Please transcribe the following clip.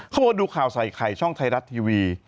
เขาบอกว่าดูข่าวใส่ไข่ช่องไทยรัฐทีวี